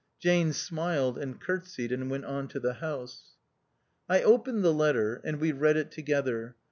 Jane smiled and curtseyed, and went on to the house. I opened the letter, and we read it together.